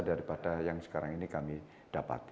daripada yang sekarang ini kami dapat